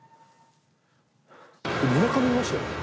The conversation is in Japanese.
村上いましたよ。